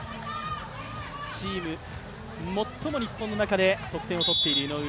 チーム、最も日本の中で得点を取っている井上